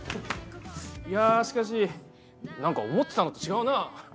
いやしかし何か思ってたのと違うな。